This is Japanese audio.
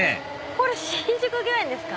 これ新宿御苑ですか